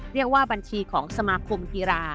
เรียกว่าบัญชีของสมาคมกีฬา